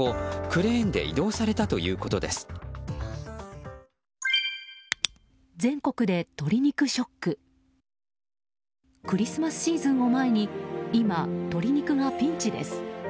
クリスマスシーズンを前に今、鶏肉がピンチです。